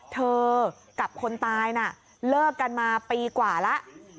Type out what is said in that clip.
เธอกับคนตายน่ะเลิกกันมาปีกว่าแล้ว